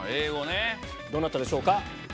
どなたでしょうか？